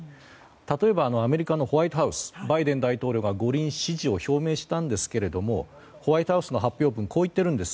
例えばアメリカのホワイトハウスバイデン大統領が五輪支持を表明したんですけどもホワイトハウスの発表文ではこう言っているんです。